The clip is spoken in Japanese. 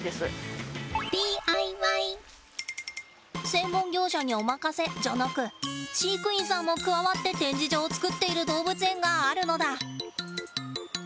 専門業者にお任せじゃなく飼育員さんも加わって展示場を作っている動物園があるのだ！